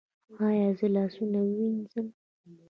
ایا زه لاسونه ووینځم؟